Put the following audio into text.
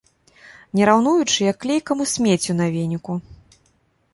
Не раўнуючы, як клейкаму смеццю на веніку.